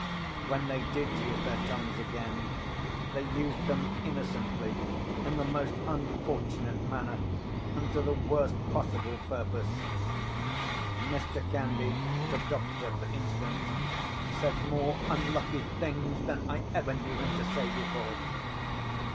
When they did use their tongues again, they used them innocently, in the most unfortunate manner and to the worst possible purpose. Mr. Candy, the doctor, for instance, said more unlucky things than I ever knew him to say before.